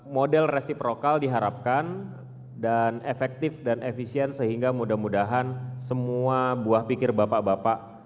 model resiprokal diharapkan dan efektif dan efisien sehingga mudah mudahan semua buah pikir bapak bapak